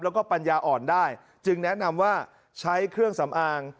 แล้วก็ปัญญาอ่อนได้จึงแนะนำว่าใช้เครื่องสำอาง